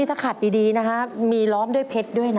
ถ้าขัดดีมีร้อมด้วยเพชร